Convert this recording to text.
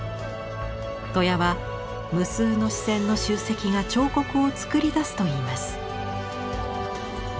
戸谷は「無数の視線の集積が彫刻を作り出す」と言います。